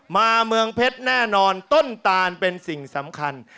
เมืองเพชรแน่นอนต้นตานเป็นสิ่งสำคัญ